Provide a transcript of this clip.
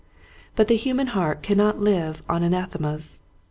But the human heart cannot live on ana themas.